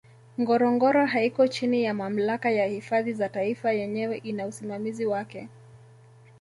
ngorongoro haiko chini ya mamlaka ya hifadhi za taifa yenyewe ina usimamizi wake